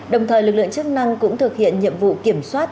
đồng thời lực lượng chức năng cũng thực hiện nhiệm vụ kiểm soát